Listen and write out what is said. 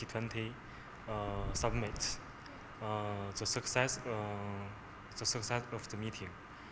dan mencapai keberhasilan pertemuan ini